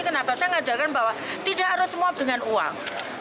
kenapa saya mengajarkan bahwa tidak harus semua dengan uang